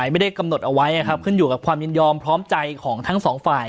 ไม่ได้กำหนดเอาไว้ขึ้นอยู่กับความยินยอมพร้อมใจของทั้งสองฝ่าย